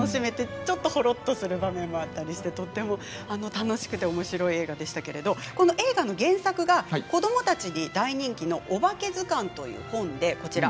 ちょっとほろっとする場面もあってとても楽しくておもしろい映画でしたけれど映画の原作は、子どもたちに大人気の「おばけずかん」という本です。